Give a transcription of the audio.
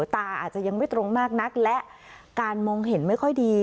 ตาอาจจะยังไม่ตรงมากนักและการมองเห็นไม่ค่อยดี